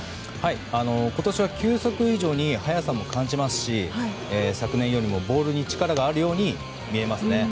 今年は球速以上に速さも感じますし昨年よりもボールに力があるように見えますね。